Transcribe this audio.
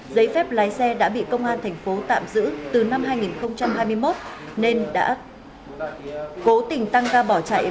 giấy phép lái xe đã bị công an thành phố tạm giữ từ năm hai nghìn hai mươi một nên đã cố tình tăng ga bỏ chạy